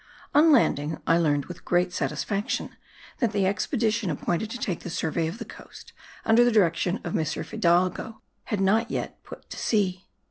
On landing I learned, with great satisfaction, that the expedition appointed to take the survey of the coast under the direction of M. Fidalgo, had not yet put to sea.